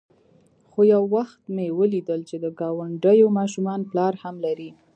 خو يو وخت مې وليدل چې د گاونډيو ماشومان پلار هم لري.